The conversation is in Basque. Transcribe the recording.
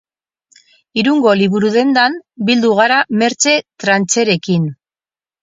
Irungo liburu-dendan bildu gara Mertxe Trancherekin.